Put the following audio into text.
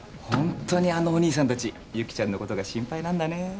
ホントにあのお兄さんたち由岐ちゃんのことが心配なんだね。